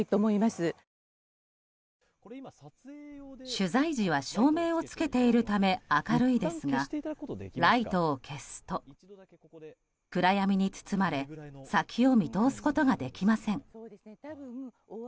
取材時は照明をつけているため明るいですがライトを消すと、暗闇に包まれ先を見通すことができません。